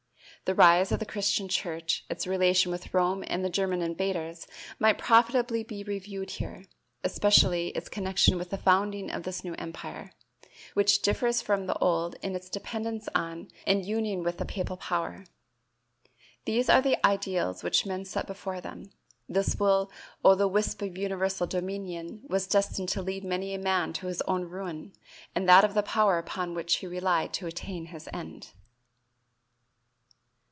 The rise of the Christian church, its relations with Rome and the German invaders might profitably be reviewed here, especially its connection with the founding of this new empire, which differs from the old in its dependence on and union with the papal power. These are the ideals which men set before them; this will o' the wisp of universal dominion was destined to lead many a man to his own ruin and that of the power upon which he relied to attain his end.